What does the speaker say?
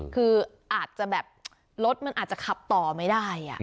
คืออาจจะแบบรถมันอาจจะขับต่อไม่ได้